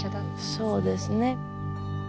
そうですね。